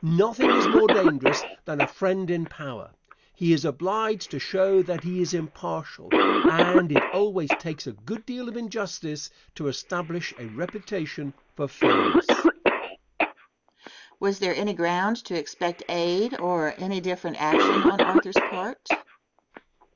Nothing is more dangerous than a friend in power. He is obliged to show that he is impartial, and it always takes a good deal of injustice to establish a reputation for fairness. Question. Was there any ground to expect aid or any different action on Arthur's part?